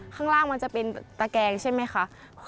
ข้างล่างมันจะเป็นตะแกงใช่ไหมคะ